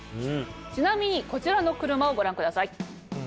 ちなみにこちらの車をご覧ください。